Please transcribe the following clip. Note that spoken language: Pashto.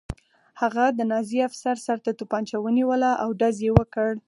هغه د نازي افسر سر ته توپانچه ونیوله او ډز یې وکړ